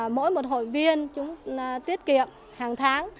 mỗi một hội viên chúng tiết kiệm hàng tháng